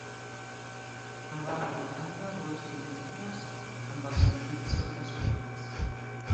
A banda i banda, dues finestres amb els ampits sobresortits.